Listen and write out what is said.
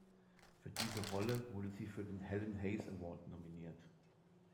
Für diese Rolle wurde sie für den "Helen Hayes Award" nominiert.